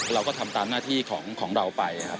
เราก็ทำตามหน้าที่ของเราไปครับ